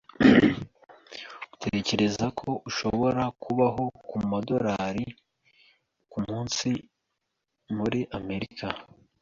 Utekereza ko ushobora kubaho ku madorari kumunsi muri Amerika?